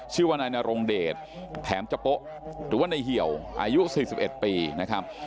ชื่อว่านายนรงเดชแถมจโป๊ะหรือว่าในเหี่ยวอายุ๔๑ปีนะครับ